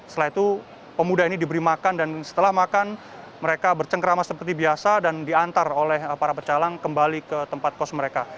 setelah itu pemuda ini diberi makan dan setelah makan mereka bercengkrama seperti biasa dan diantar oleh para pecalang kembali ke tempat kos mereka